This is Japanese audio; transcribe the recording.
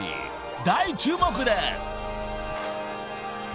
［大注目です］